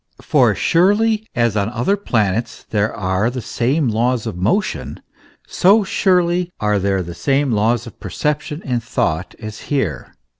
For as surely as on the other planets there are the same laws of motion, so surely are there the same laws of percep tion and thought as here.